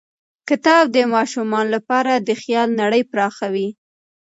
کتاب د ماشومانو لپاره د خیال نړۍ پراخوي.